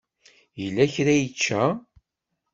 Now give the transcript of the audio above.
Yella kra i yečča?